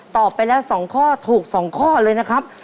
ตอบไปแล้ว๒ข้อถูก๒ข้อเลยนะครับ